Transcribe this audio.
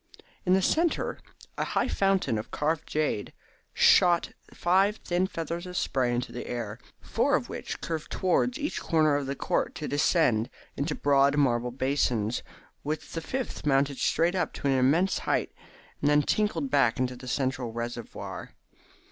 In the centre a high fountain of carved jade shot five thin feathers of spray into the air, four of which curved towards each corner of the court to descend into broad marble basins, while the fifth mounted straight up to an immense height, and then tinkled back into the central reservoir.